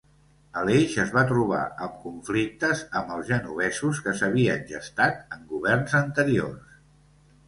Aleix es va trobar amb conflictes amb els genovesos que s'havien gestat en governs anteriors.